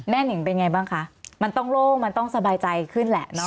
หนิงเป็นไงบ้างคะมันต้องโล่งมันต้องสบายใจขึ้นแหละเนอ